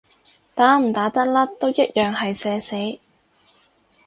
打唔打得甩都一樣係社死